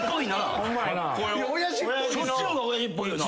そっちのが親父っぽいよな。